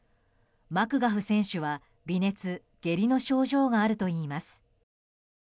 マクガフ選手は微熱、下痢の症状があるといいます。